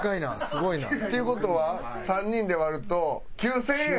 すごいな。っていう事は３人で割ると９０００円。